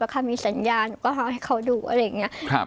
เขามีสัญญาหนูก็เอาให้เขาดูอะไรอย่างนี้